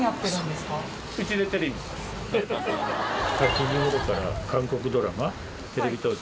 ８時ごろから韓国ドラマテレビ東京。